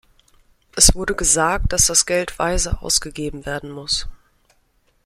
Es wurde gesagt, dass das Geld weise ausgegeben werden muss.